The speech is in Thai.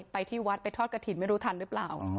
ไปที่วัดไปทอดกระถิ่นไม่รู้ทันหรือเปล่า